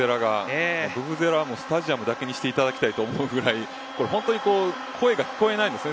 ブブゼラはスタジアムだけにしてもらいたいと思うぐらい本当に声が聞こえないですね。